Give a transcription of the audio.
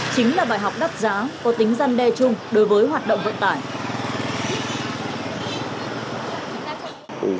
chính là bài học đắt giá có tính răn đe chung đối với hoạt động vận tải